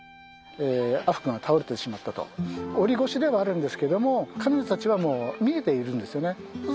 オリ越しではあるんですけども彼女たちはもう見えているんですよね。